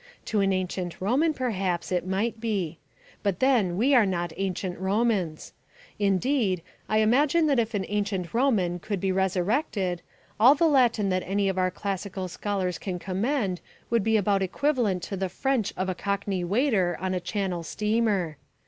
To an ancient Roman, perhaps, it might be. But then we are not ancient Romans; indeed, I imagine that if an ancient Roman could be resurrected, all the Latin that any of our classical scholars can command would be about equivalent to the French of a cockney waiter on a Channel steamer.